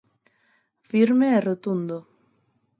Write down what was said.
Firme e rotundo.